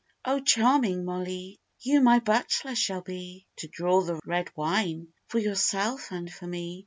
'Oh, charming Mollee, you my butler shall be, To draw the red wine for yourself and for me!